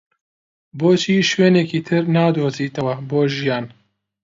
بۆچی شوێنێکی تر نادۆزیتەوە بۆ ژیان؟